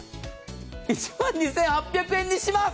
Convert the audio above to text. １万２８００円にします！